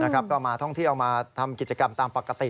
ก็มาท่องเที่ยวมาทำกิจกรรมตามปกติ